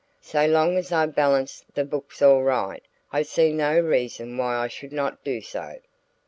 So long as I balance the books all right, I see no reason why I should not do so."